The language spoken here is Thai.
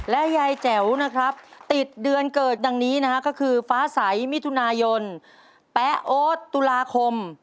ยายแจ๋วนะครับติดเดือนเกิดดังนี้นะฮะก็คือฟ้าใสมิถุนายนแป๊โอ๊ตตุลาคม